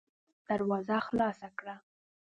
دروازه خلاصه کړه!